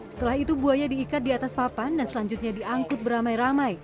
setelah itu buaya diikat di atas papan dan selanjutnya diangkut beramai ramai